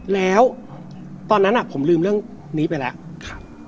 แล้วตอนนั้นผมลืมเรื่องนี้ไปแล้ว